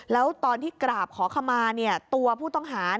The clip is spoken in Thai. แล้วตอนที่กราบขอขมาตัวผู้ต้องหา